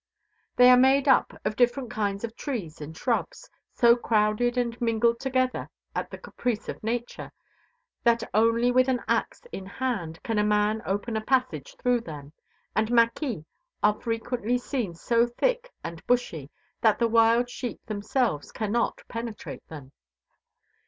They are made up of different kinds of trees and shrubs, so crowded and mingled together at the caprice of nature that only with an axe in hand can a man open a passage through them, and mâquis are frequently seen so thick and bushy that the wild sheep themselves cannot penetrate them.